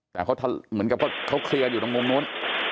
แต่เขาเหมือนกับเขาเคลียร์อยู่ตรงมุมนู้น